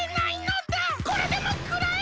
これでもくらえ！